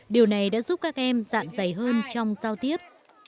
điều này đã giúp các em dạng dày hơn trong giao tiếp